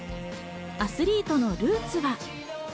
アスリートのルーツは。